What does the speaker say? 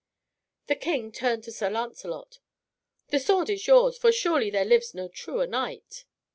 The King turned to Sir Lancelot. "The sword is yours, for surely there lives no truer knight."